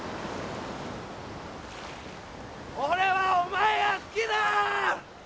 俺はお前が好きだ！